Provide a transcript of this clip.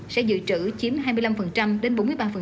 sẽ dự trữ chiếm hai mươi năm đến bốn mươi ba